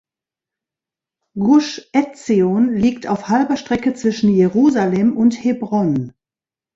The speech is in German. Gusch Etzion liegt auf halber Strecke zwischen Jerusalem und Hebron.